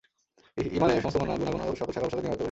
ঈমানের সমস্ত গুণাগুণ ও সকল শাখা-প্রশাখা তিনি আয়ত্ত করেছিলেন।